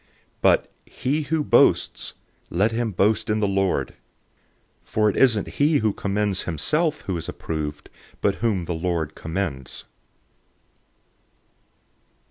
010:017 But "he who boasts, let him boast in the Lord."{Jeremiah 9:24} 010:018 For it isn't he who commends himself who is approved, but whom the Lord commends.